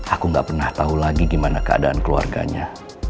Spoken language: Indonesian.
aku gak pernah tahu lagi gimana keadaan keluarganya